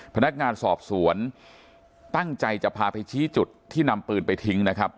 พนักงานสอบสวนตั้งใจจะพาไปชี้จุดที่นำปืนไปทิ้งนะครับ